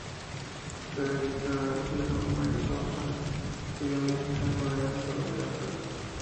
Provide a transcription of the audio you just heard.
Está dedicada al Biólogo Mario Souza, estudioso mexicano de las leguminosas.